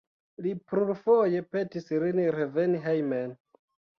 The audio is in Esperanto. Li plurfoje petis lin reveni hejmen.